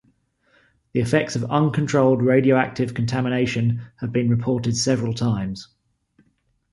The effects of uncontrolled radioactive contamination have been reported several times.